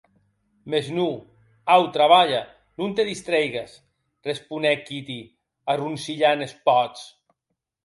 Mès non; au, trabalha, non te distreigues, responec Kitty, arroncilhant es pòts.